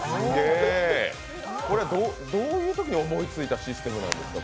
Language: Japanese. これ、どういうときに思いついたシステムなんですか？